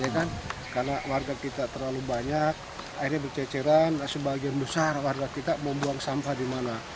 karena warga kita terlalu banyak airnya berceceran sebagian besar warga kita membuang sampah di mana